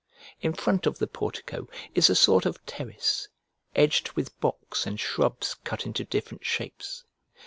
In front of the portico is a sort of terrace, edged with box and shrubs cut into different shapes.